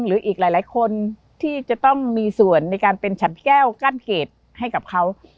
หรืออีกหลายคนที่จะต้องมีส่วนในการเป็นฉันแก้วกั้นเขตให้กับเขา